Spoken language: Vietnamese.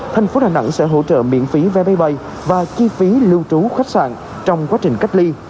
thành phố đà nẵng sẽ hỗ trợ miễn phí vé máy bay và chi phí lưu trú khách sạn trong quá trình cách ly